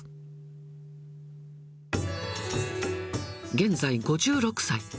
現在５６歳。